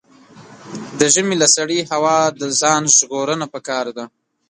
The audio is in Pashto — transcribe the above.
د ژمي له سړې هوا د ځان ژغورنه پکار ده.